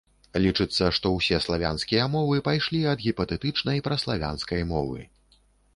Лічыцца, што ўсе славянскія мовы пайшлі ад гіпатэтычнай праславянскай мовы.